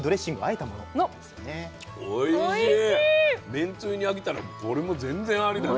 めんつゆに飽きたらこれも全然ありだね。